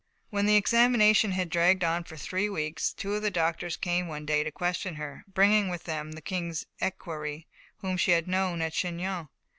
When the examination had dragged on for three weeks, two of the doctors came one day to question her, bringing with them the King's equerry, whom she had known at Chinon.